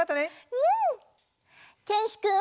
うん！